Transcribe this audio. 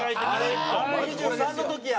２３の時や！